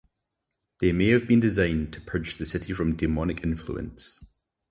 They may have been designed to purge the city from demonic influence.